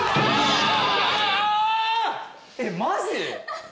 えっマジ？